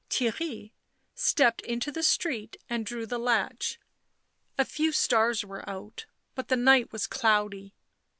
Theirry stepped into the street and drew the latch; a few stars were out, but the night was cloudy.